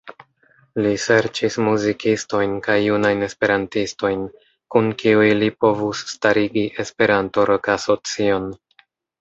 Li serĉis muzikistojn kaj junajn Esperantistojn, kun kiuj li povus starigi Esperanto-rokasocion.